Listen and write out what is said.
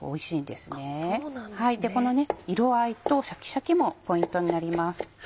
でこの色合いとシャキシャキもポイントになります。